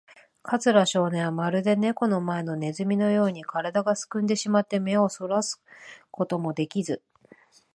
桂少年は、まるでネコの前のネズミのように、からだがすくんでしまって、目をそらすこともできず、